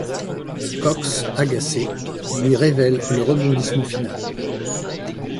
Cox, agacé, lui révèle le rebondissement final.